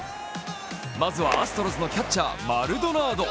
まずは、アストロズのキャッチャーマルドナード。